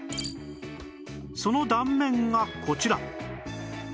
その断面がこちら